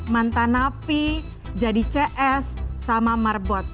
mantanapi jadi cs sama marbot